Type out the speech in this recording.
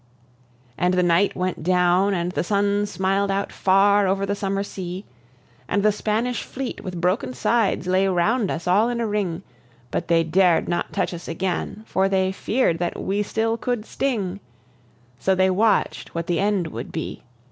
And the night went down, and the sun smiled out far over the summer sea, And the Spanish fleet with broken sides lay round us all in a ring; But they dared not touch us again, for they fear'd that we still could sting, So they watched what the end would be.